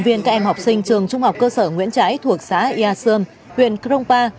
viên các em học sinh trường trung học cơ sở nguyễn trái thuộc xã ia sơn huyện krongpa